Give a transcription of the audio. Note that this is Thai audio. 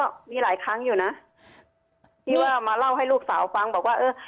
ก็มีหลายครั้งอยู่นะที่ว่ามาเล่าให้ลูกสาวฟังบอกว่าเออ